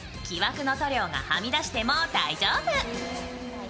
木枠の塗料がはみ出しても大丈夫。